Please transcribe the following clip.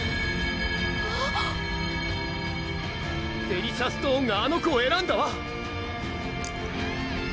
デリシャストーンがあの子をえらんだわ！